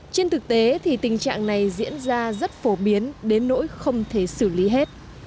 trên thực tế thì tình trạng này diễn ra rất phổ biến đến nỗi không thể xử lý hết